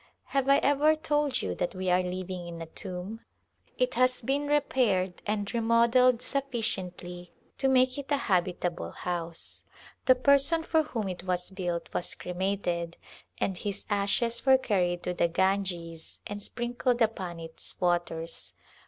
Have I ever told you that we are living in a tomb? [•72] Call to Rajputana It has been repaired and remodelled sufficiently to make it a habitable house. The person for whom it was built was cremated and his ashes were carried to the Ganges and sprinkled upon its waters.